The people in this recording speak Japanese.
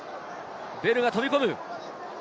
ベルが飛び込む。